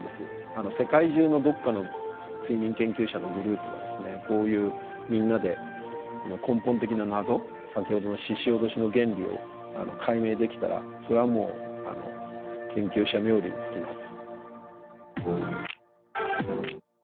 世界中のどっかの睡眠研究者のグループがですねこういうみんなで根本的な謎先ほどのししおどしの原理を解明できたらそりゃもう研究者冥利に尽きます。